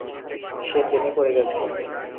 সে প্রেমে পড়ে গেছে।